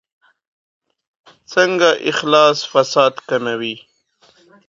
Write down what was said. څنګه اخلاص فساد کموي؟